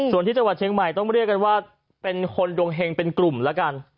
ส่วนที่จังหวัดเชียงใหม่ต้องเรียกกันว่าเป็นคนดวงเฮงเป็นกลุ่มแล้วกัน